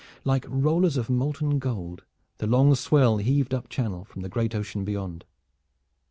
Like rollers of molten gold, the long swell heaved up Channel from the great ocean beyond.